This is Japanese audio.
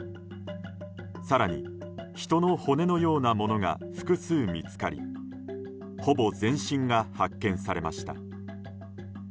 更に人の骨のようなものが複数見つかりほぼ全身が発見されました。